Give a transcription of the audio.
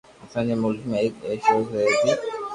اسان جي ملڪ ۾ هڪ عيش عشرت رهي ٿي